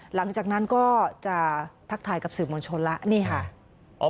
หลังจากนั้นก็จะทักทายกับสื่อมวลชนแล้วนี่ค่ะ